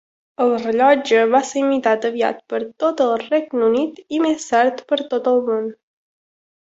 El rellotge va ser imitat aviat per tot el Regne Unit i més tard per tot el món.